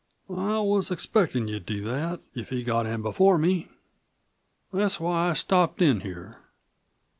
"I was expectin' you'd do that, if he got in before me. That's why I stopped in here.